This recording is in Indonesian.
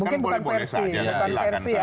kan boleh boleh saja silahkan saya